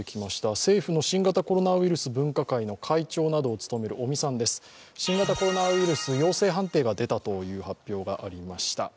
政府の新型コロナウイルス分科会の会長などを務める尾身さんです、新型コロナウイルス陽性判定が出たという発表がありました。